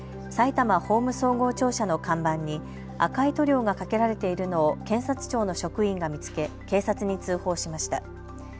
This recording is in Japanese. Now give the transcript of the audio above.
さいたま法務総合庁舎の看板に赤い塗料がかけられているのを検察庁の職員が見つけ警察に通報しました。